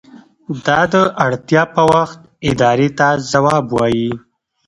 دا د اړتیا په وخت ادارې ته ځواب وايي.